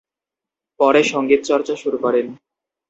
পরে সঙ্গীত চর্চা শুরু করেন।